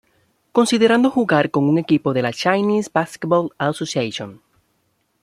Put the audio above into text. Considerando jugar con un equipo de la Chinese Basketball Association.